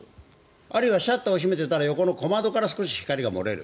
あるいはシャッターを閉めていたら横の小窓から少し光が漏れる。